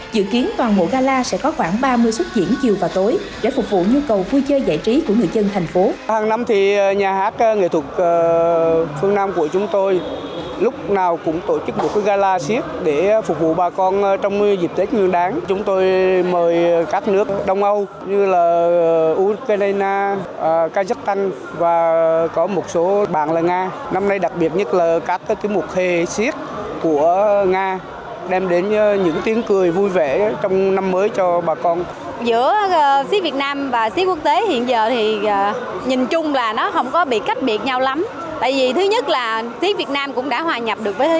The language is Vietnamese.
dự kiến toàn mộ gala sẽ có khoảng ba mươi xuất diễn chiều và tối để phục vụ nhu cầu vui chơi giải trí của người dân thành phố